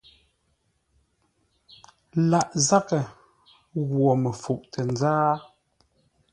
Lâʼ zághʼə ghwo məfuʼ tə nzáa.